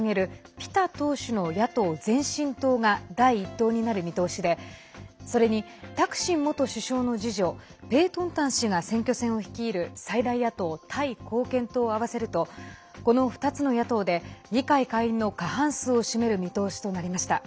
ピタ党首の野党・前進党が第１党になる見通しでそれにタクシン元首相の次女ペートンタン氏が選挙戦を率いる最大野党タイ貢献党を合わせるとこの２つの野党で議会下院の過半数を占める見通しとなりました。